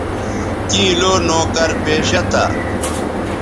کیں لو نوکر پیشہ تھا